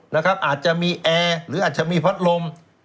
อาจจะมีแอร์หรืออาจจะมีพัดลม